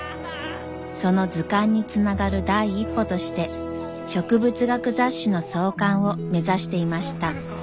その図鑑につながる第一歩として植物学雑誌の創刊を目指していました。